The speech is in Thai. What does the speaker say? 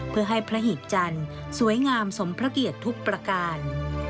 เพื่อให้พระหีบจันทร์สวยงามสมพระเกียรติทุกประการ